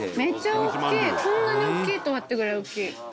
こんなに大っきいとはってぐらい大きい。